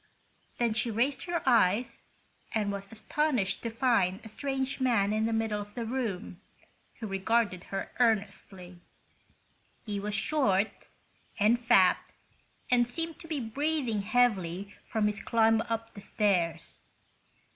Then she raised her eyes and was astonished to find a strange man in the middle of the room, who regarded her earnestly. He was short and fat, and seemed to be breathing heavily from his climb up the stairs.